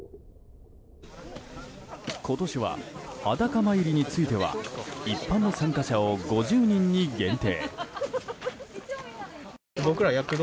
今年は、裸参りについては一般の参加者を５０人に限定。